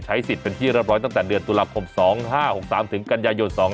ใช้เมียได้ตลอด